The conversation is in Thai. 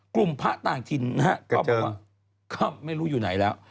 กลุ่มพระต่างทินนะฮะกระเจิงก็ไม่รู้อยู่ไหนแล้ว